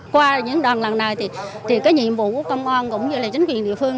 qua những đoàn lần này thì cái nhiệm vụ của công an cũng như là chính quyền địa phương